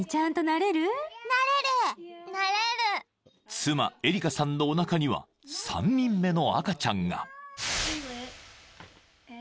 ［妻エリカさんのおなかには３人目の赤ちゃんが］